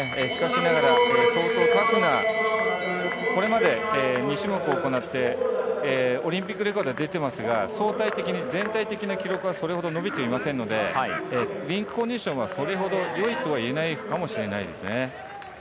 しかしながら相当タスがこれまで２種目行って、オリンピックレコードが出ていますが、相対的に全体的な記録はそれほど伸びていませんので、リンクコンディションはそれほど良いとはいえないかもしれませんね。